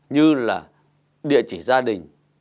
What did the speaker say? như là địa chỉ gia đình